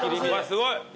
すごい。